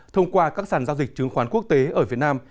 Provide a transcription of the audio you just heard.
thông qua các sản giao dịch chứng khoán quốc tế ở việt nam